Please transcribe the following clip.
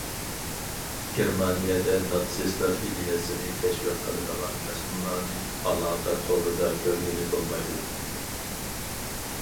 گېرمانىيەدە ناتسىستلار ئىدىيەسىنى تەشۋىق قىلىدىغان مەزمۇنلارنى ئالاقە تورىدا كۆرگىلى بولمايدۇ.